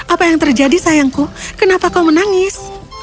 apa yang terjadi sayangku kenapa kau menangis